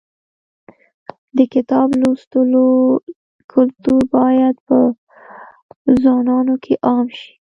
د کتاب لوستلو کلتور باید په ځوانانو کې عام شي.